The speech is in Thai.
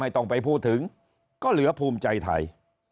ต้องไปพูดถึงก็เหลือภูมิใจไทย